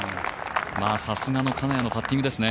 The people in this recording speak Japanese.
さすがの金谷のパッティングですね。